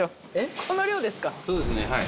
そうですねはい。